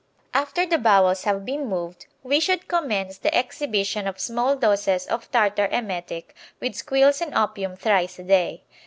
After the bowels have been moved we should commence the exhibition of small doses of tartar emetic with squills and opium thrice a day.